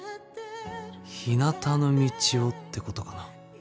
「ひなたの道を」ってことかな。